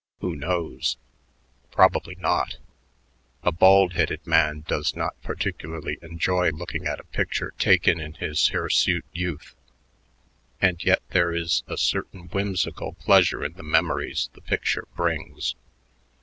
Who knows? Probably not. A bald headed man does not particularly enjoy looking at a picture taken in his hirsute youth; and yet there is a certain whimsical pleasure in the memories the picture brings.